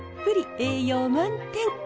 栄養満点！